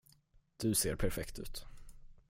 Du ser perfekt ut.